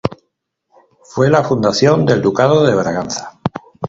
Fue la fundación del Ducado de Braganza.